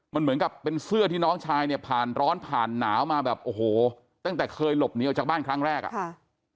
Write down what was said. มันเหมือนกับเป็นเสื้อที่น้องชายเนี่ยผ่านร้อนผ่านหนาวมาแบบโอ้โหตั้งแต่เคยหลบหนีออกจากบ้านครั้งแรกอ่ะค่ะ